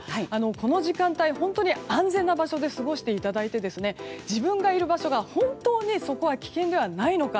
この時間帯、本当に安全な場所で過ごしていただいて自分がいる場所が本当にそこは危険ではないのか。